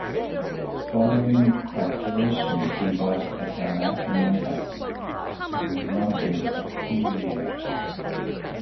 Following graduation he worked at the American Embassy in London for three years.